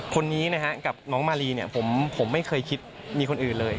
คนนี้นะครับกับน้องมารีผมไม่เคยคิดมีคนอื่นเลย